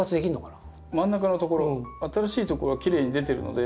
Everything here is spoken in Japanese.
真ん中の所新しい所がきれいに出てるので。